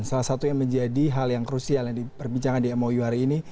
salah satu yang menjadi hal yang krusial yang diperbincangkan di mou hari ini